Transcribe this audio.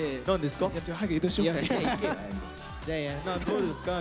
どうですか？